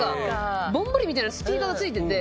ぼんぼりみたいなスピーカーがついてて。